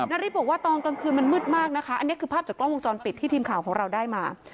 นาริสบอกว่าตอนกลางคืนมันมืดมากนะคะอันนี้คือภาพจากกล้องวงจรปิดที่ทีมข่าวของเราได้มา